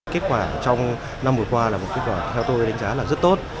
kết quả trong năm vừa qua là một kết quả theo tôi đánh giá là rất tốt